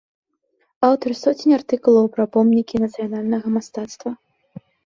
Аўтар соцень артыкулаў пра помнікі нацыянальнага мастацтва.